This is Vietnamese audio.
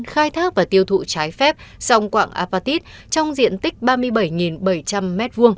khai thác và tiêu thụ trái phép song quạng apatit trong diện tích ba mươi bảy bảy trăm linh m hai